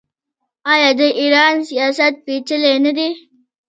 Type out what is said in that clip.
آیا د ایران سیاست پیچلی نه دی؟